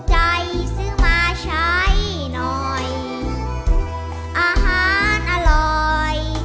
ใจซื้อมาใช้หน่อยอาหารอร่อย